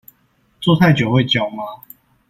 坐太久會腳麻